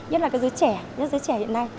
nhất là cái giới trẻ giới trẻ hiện nay